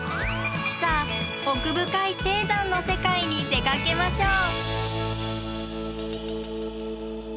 さあ奥深い低山の世界に出かけましょう！